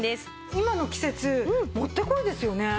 今の季節もってこいですよね。